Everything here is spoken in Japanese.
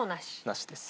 なしです。